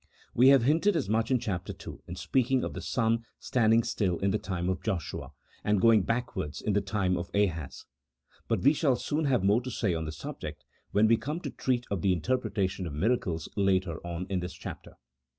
We have hinted as much in Chap. II., in speaking of the sun standing still in the time of Joshua, and going backwards in the time of Ahaz ; but we shall soon have more to say on the subject when we come to treat of the interpre tation of miracles later on in this chapter.